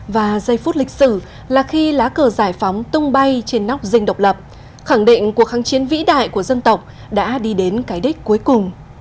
và giây phút lịch sử là khi lá cờ giải phóng tung bay trên nóc dinh độc lập khẳng định cuộc kháng chiến vĩ đại của dân tộc đã đi đến cái đích cuối cùng